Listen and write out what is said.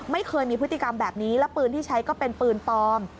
ไม่เคยมีพฤติกรรมแบบนี้แล้วปืนที่ใช้ก็เป็นปืนปลอม